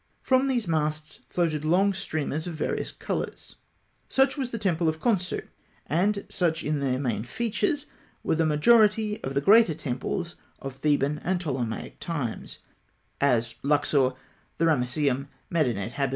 From these masts floated long streamers of various colours (fig. 79). Such was the temple of Khonsû, and such, in their main features, were the majority of the greater temples of Theban and Ptolemaic times, as Luxor, the Ramesseum, Medinet Habû, Edfû, and Denderah.